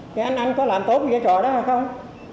cái anh anh có làm tốt cái trò đó hay không